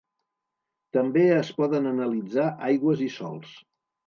També es poden analitzar aigües i sòls.